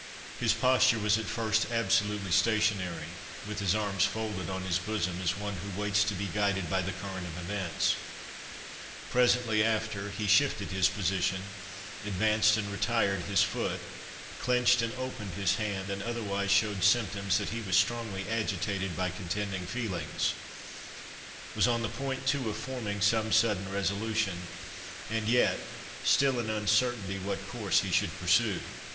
His posture was at first absolutely stationary, with his arms folded on his bosom, as one who waits to be guided by the current of events; presently after, he shifted his position, advanced and retired his foot, clenched and opened his hand, and otherwise showed symptoms that he was strongly agitated by contending feelings—was on the point, too, of forming some sudden resolution, and yet still in uncertainty what course he should pursue.